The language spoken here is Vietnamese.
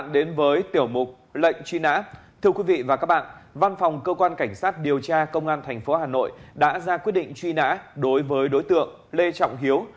đến với tiểu mục lệnh truy nã thưa quý vị và các bạn văn phòng cơ quan cảnh sát điều tra công an tp hà nội đã ra quyết định truy nã đối với đối tượng lê trọng hiếu